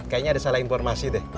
kayaknya ada salah informasi deh